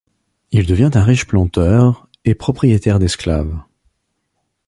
Il devient un riche planteur et propriétaire d'esclaves.